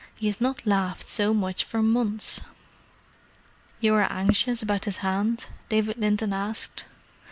He has not laughed so much for months." "You are anxious about his hand?" David Linton asked.